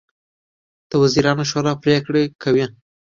د وزیرانو شورا پریکړې کوي